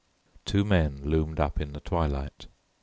Two men loomed up in the twilight.